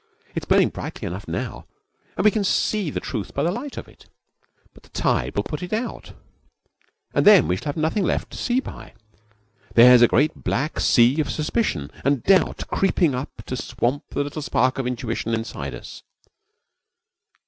It's burning brightly enough now, and we can see the truth by the light of it. But the tide will put it out, and then we shall have nothing left to see by. There's a great black sea of suspicion and doubt creeping up to swamp the little spark of intuition inside us.